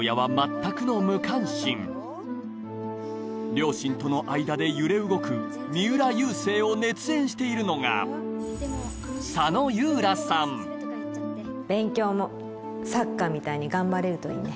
両親との間で揺れ動く三浦佑星を熱演しているのが勉強もサッカーみたいに頑張れるといいね。